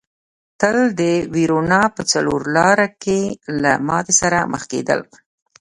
تل د وېرونا په څلور لاره کې له ماتې سره مخ کېدل.